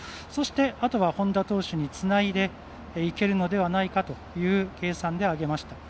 あとは本田投手につないでいけるのではないかという計算で上げました。